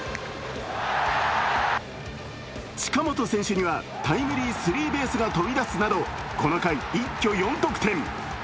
近本選手にはタイムリースリーベースが飛び出すなど、この回、一挙４得点。